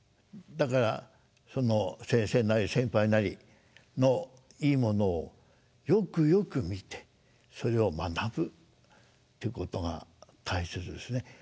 だからその先生なり先輩なりのいいものをよくよく見てそれを学ぶっていうことが大切ですね。